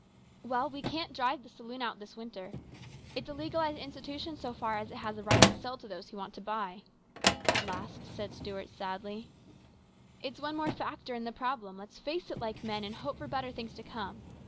" Well, we can't drive the saloon out this winter. It's a legalised institution so far as it has a right to sell to those who want to buy," at last Stuart said sadly. " It's one more factor in the problem. Let's face it like men, and hope for better things to come.